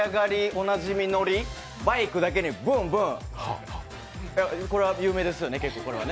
おなじみノリバイクだけにブンブンこれは結構有名ですよね？